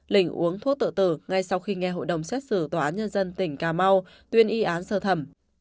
linh uống thuốc tự tử ngay sau khi nghe hội đồng xét xử tòa án nhân dân tỉnh cà mau tuyên y án sơ thẩm